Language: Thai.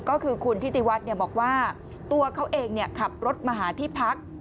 ก็คือคุณทิติวัฒน์บอกว่าตัวเขาเองขับรถมาหาที่พัก